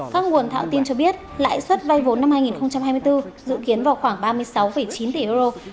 các nguồn thạo tin cho biết lãi suất vay vốn năm hai nghìn hai mươi bốn dự kiến vào khoảng ba mươi sáu chín tỷ euro